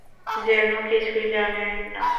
যেন কিছুই জানেন না।